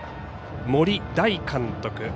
森大監督。